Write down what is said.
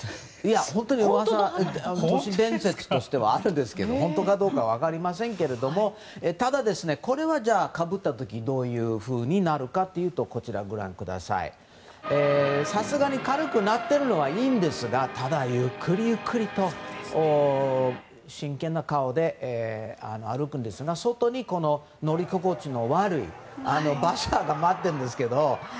本当に噂都市伝説としてはあるんですけど本当かどうかは分かりませんけどこれはかぶった時どうなるかさすがに軽くなっているのはいいんですがただ、ゆっくりゆっくりと真剣な顔で歩くんですが外に乗り心地の悪い馬車が待ってるんですけど。